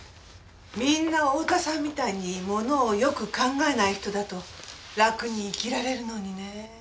みんな太田さんみたいにものをよく考えない人だと楽に生きられるのにねぇ。